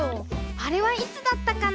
あれはいつだったかな。